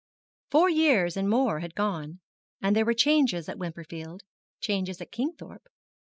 Four years and more had gone, and there were changes at Wimperfield changes at Kingthorpe.